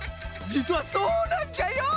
じつはそうなんじゃよ！